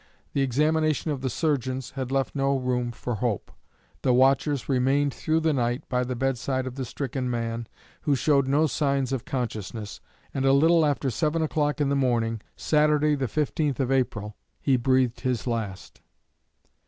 The examination of the surgeons had left no room for hope. The watchers remained through the night by the bedside of the stricken man, who showed no signs of consciousness; and a little after seven o'clock in the morning Saturday the 15th of April he breathed his last.